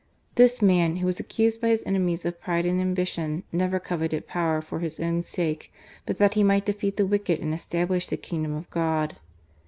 This man, who was accused by his enemies of pride and ambition, never coveted power for his own sake, but that he might defeat the wicked and establish the Kingdom of God.